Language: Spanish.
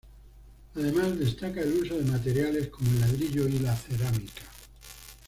Además, destaca el uso de materiales como el ladrillo y la cerámica.